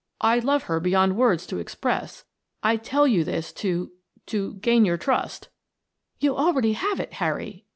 "I love her beyond words to express. I tell you this to to gain your trust." "You already have it, Harry!"